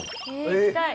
え行きたい。